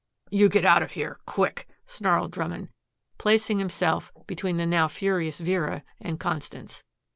"You get out of here quick," snarled Drummond, placing himself between the now furious Vera and Constance.